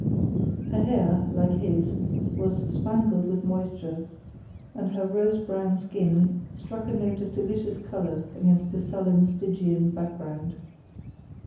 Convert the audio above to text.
Her hair, like his, was spangled with moisture, and her rose brown skin struck a note of delicious colour against the sullen Stygian background.